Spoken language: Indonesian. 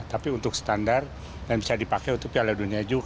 tapi untuk standar dan bisa dipakai untuk piala dunia juga